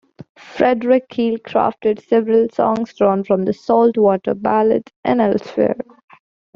Frederick Keel crafted several songs drawn from the "Salt-Water Ballads" and elsewhere.